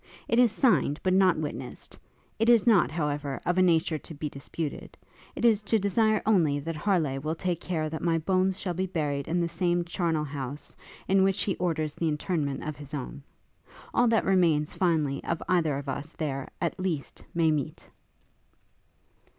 It is signed, but not witnessed: it is not, however, of a nature to be disputed; it is to desire only that Harleigh will take care that my bones shall be buried in the same charnel house, in which he orders the interment of his own. All that remains, finally, of either of us, there, at least, may meet!'